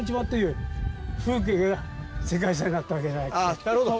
ああなるほど！